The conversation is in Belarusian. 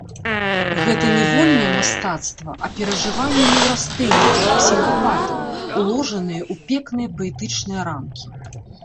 Гэта не вольнае мастацтва, а перажыванні неўрастэнікаў, псіхапатаў, уложаныя ў пекныя паэтычныя рамкі.